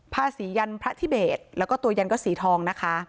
ผ้าสียันพระทิเบสแล้วก็ตัวยันก็สีทองนะคะ